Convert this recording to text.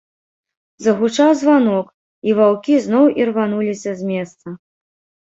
Загучаў званок, і ваўкі зноў ірвануліся з месца.